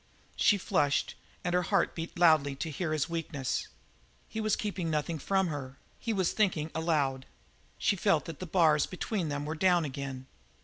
She flushed, and her heart beat loudly to hear his weakness. He was keeping nothing from her; he was thinking aloud; she felt that the bars between them were down again.